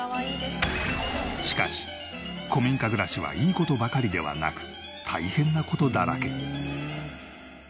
しかし古民家暮らしはいい事ばかりではなく大変な事だらけ。